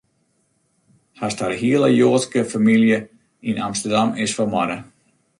Hast har hiele Joadske famylje yn Amsterdam, is fermoarde.